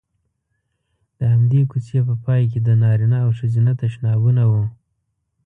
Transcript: د همدې کوڅې په پای کې د نارینه او ښځینه تشنابونه وو.